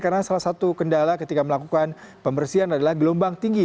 karena salah satu kendala ketika melakukan pembersihan adalah gelombang tinggi